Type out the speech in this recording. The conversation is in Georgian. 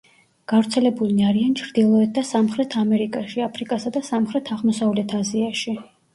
გავრცელებულნი არიან ჩრდილოეთ და სამხრეთ ამერიკაში, აფრიკასა და სამხრეთ-აღმოსავლეთ აზიაში.